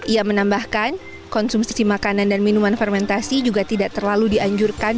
ia menambahkan konsumsi makanan dan minuman fermentasi juga tidak terlalu dianjurkan